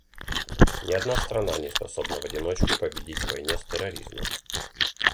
Ни одна страна не способна в одиночку победить в войне с терроризмом.